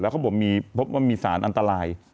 เขาบอกพบว่ามีสารอันตราย